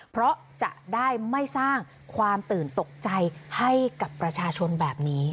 เพราะจะได้ไม่สร้างความตื่นตกใจให้กับประชาชนแบบนี้